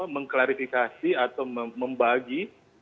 mengklarifikasi atau membagi